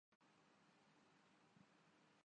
کیچک جو ویراٹ کا سپاہ سالار ہوتا ہے